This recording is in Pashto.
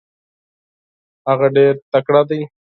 هغه ډیر تکړه دی.